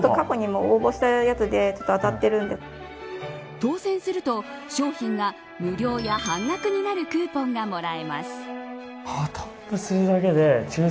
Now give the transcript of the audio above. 当選すると、商品が無料や半額になるクーポンがもらえます。